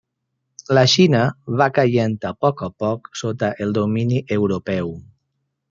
La Xina va caient a poc a poc sota el domini europeu.